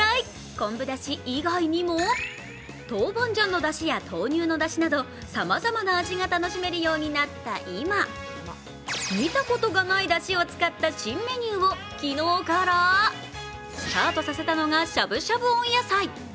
昆布だし以外にもトウバンジャンのだしや豆乳のだしなどさまざまな味が楽しめるようになった今、見たことがないだしを使った新メニューを昨日からスタートさせたのがしゃぶしゃぶ温野菜。